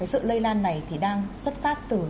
sự lây lan này đang xuất phát từ